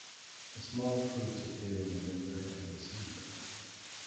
The small fruits appear in November and December.